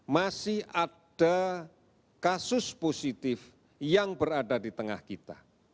masih ada kasus positif yang berada di tengah kita